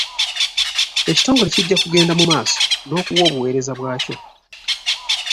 Ekitongole kijja kugenda mu maaso n'okuwa obuweereza bwakyo.